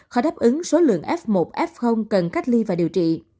khó đáp ứng số lượng f một f cần cách ly và điều trị